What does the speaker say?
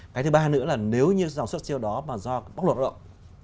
cái thứ ba nữa là nếu như dòng xuất siêu đó mà do bóc lột hợp động